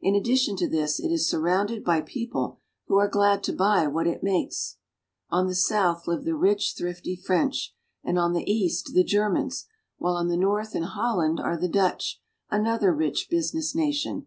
In addition to this it is surrounded by people who are glad to buy what it makes. On the south live the rich, thrifty French, and on the east the Germans, while on the north in Holland are the Dutch, another rich business nation.